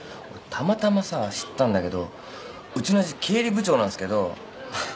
たまたまさ知ったんだけどうちの親父経理部長なんすけどまあ